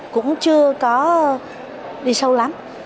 cũng chưa có đi sâu lắm